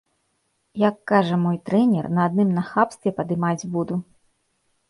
Як кажа мой трэнер, на адным нахабстве падымаць буду.